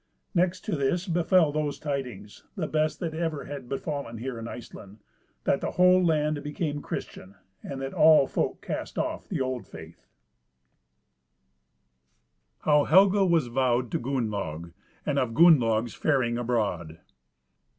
Next to this befell those tidings, the best that ever have befallen here in Iceland, that the whole land became Christian, and that all folk cast off the old faith. CHAPTER VI. How Helga was vowed to Gunnlaug, and of Gunnlaug's faring abroad.